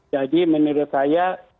jadi menurut saya